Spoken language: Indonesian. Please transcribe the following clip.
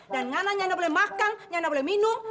dan ngana nyana boleh makan nyana boleh minum